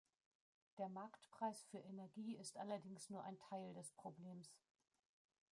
Der Marktpreis für Energie ist allerdings nur ein Teil des Problems.